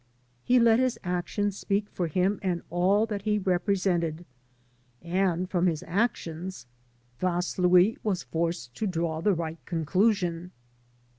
He let his actions speak for him and all that he represented, and from his actions Vaslui was forced to 12 THE PROPHET PROM AMERICA draw the right conclusion.